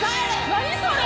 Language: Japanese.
何それ？